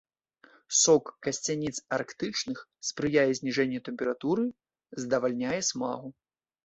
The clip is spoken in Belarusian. Сок касцяніц арктычных спрыяе зніжэнню тэмпературы, здавальняе смагу.